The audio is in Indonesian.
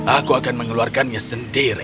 aku akan mengeluarkannya sendiri